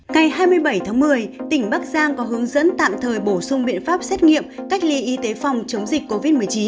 ngày hai mươi bảy tháng một mươi tỉnh bắc giang có hướng dẫn tạm thời bổ sung biện pháp xét nghiệm cách ly y tế phòng chống dịch covid một mươi chín